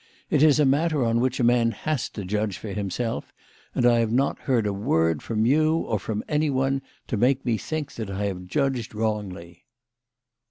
It is a matter on which a man has to judge for himself, and I have not heard a word from you or from anyone to make me think that I have judged wrongly."